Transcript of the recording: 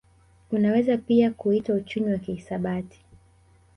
Unaweza pia kuitwa uchumi wa kihisabati